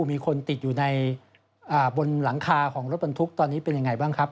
มีคนติดอยู่ในบนหลังคาของรถบรรทุกตอนนี้เป็นยังไงบ้างครับ